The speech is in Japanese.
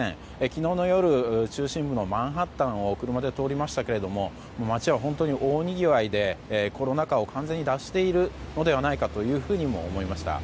昨日の夜、中心部のマンハッタンを車で通りましたけれども町は本当に大にぎわいでコロナ禍を完全に脱しているのではないかというふうにも思いました。